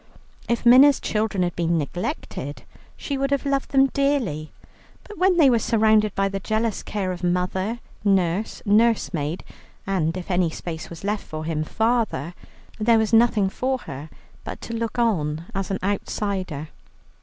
If Minna's children had been neglected she would have loved them dearly, but when they were surrounded by the jealous care of mother, nurse, nursemaid, and (if any space was left for him) father, there was nothing for her but to look on as an outsider.